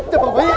itu pak reet